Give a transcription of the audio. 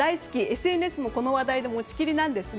ＳＮＳも、この話題で持ちきりなんですが。